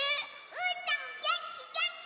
うーたんげんきげんき！